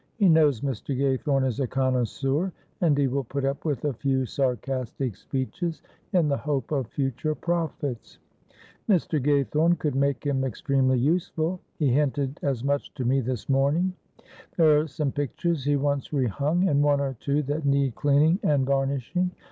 He knows Mr. Gaythorne is a connoisseur, and he will put up with a few sarcastic speeches in the hope of future profits. Mr. Gaythorne could make him extremely useful; he hinted as much to me this morning. There are some pictures he wants rehung, and one or two that need cleaning and varnishing.